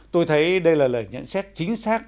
tôi thấy đây là lời nhận xét chính xác của tôi